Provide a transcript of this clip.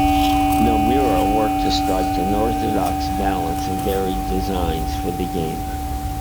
Nomura worked to strike an orthodox balance of varied designs for the game.